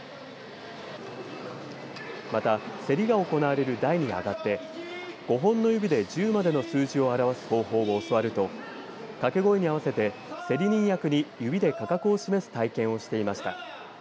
また競りが行われる台に上がって５本の指で１０までの数字を表す方法を教わると掛け声に合わせて競り人役に指で価格を示す体験をしていました。